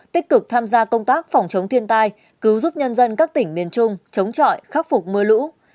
tích cực tham gia công tác phòng chống thiên tai cứu giúp nhân dân các tỉnh miền trung chống trọi khắc phục mưa lũ